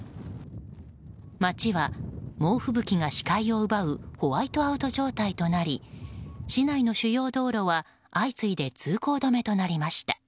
街は猛吹雪が視界を奪うホワイトアウト状態となり市内の主要道路は相次いで通行止めとなりました。